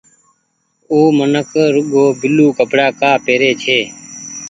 او منک رڳو بيلو ڪپڙآ ڪآ پيري ڇي۔